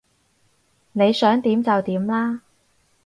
你想點就點啦